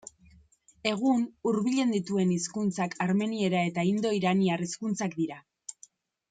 Egun, hurbilen dituen hizkuntzak armeniera eta indo-iraniar hizkuntzak dira.